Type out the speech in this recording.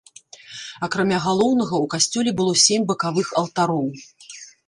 Акрамя галоўнага, у касцёле было сем бакавых алтароў.